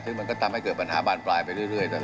ซึ่งมันก็ทำให้เกิดปัญหาบานปลายไปเรื่อย